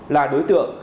là đối tượng